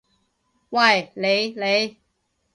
喂，你！你！